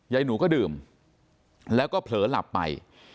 ยายหนูก็ดื่มแล้วก็เผลอหลับไป